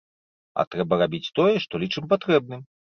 А трэба рабіць тое, што лічым патрэбным.